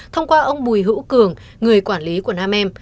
thông qua ông bùi hữu cường người quản lý của nam em